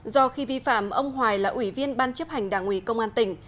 do khi vi phạm ông hoài là ủy viên ban chấp hành đảng ủy công an tỉnh